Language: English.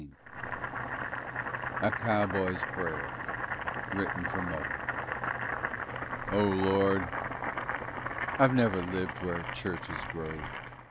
_"] A COWBOY'S PRAYER (Written for Mother) Oh Lord. I've never lived where churches grow.